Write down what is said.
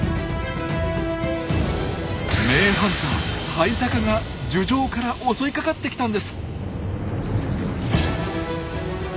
名ハンターハイタカが樹上から襲いかかってきたんです。